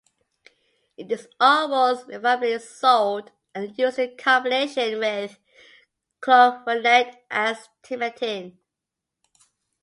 It is almost invariably sold and used in combination with clavulanate as Timentin.